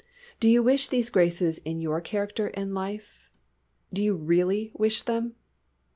Do you wish these graces in your character and life? Do you really wish them?